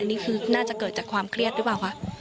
นี่คือน่าจะเกิดจากความเครียดหรือเปล่าคะ